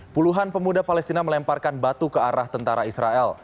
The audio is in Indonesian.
puluhan pemuda palestina melemparkan batu ke arah tentara israel